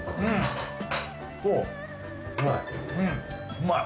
うまい？